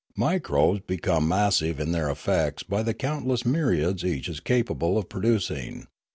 Microbes become massive in their effects by the countless myriads each is capable of producing.